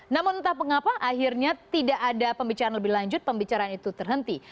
namun entah mengapa akhirnya tidak ada pembicaraan lebih lanjut pembicaraan itu terhenti